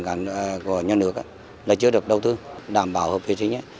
các nguồn nước của nhà nước là chưa được đầu tư đảm bảo hợp vệ sinh